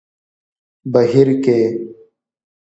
بهير کې